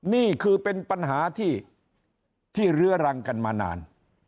นี่คือเป็นปัญหาที่เรื้อรังกันมานาน